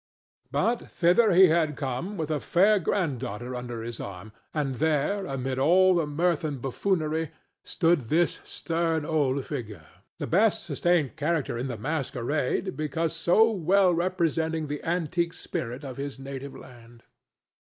But thither he had come with a fair granddaughter under his arm, and there, amid all the mirth and buffoonery, stood this stern old figure, the best sustained character in the masquerade, because so well representing the antique spirit of his native land.